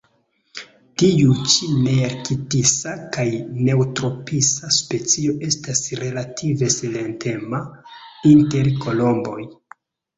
Tiu ĉi nearktisa kaj neotropisa specio estas relative silentema inter kolomboj.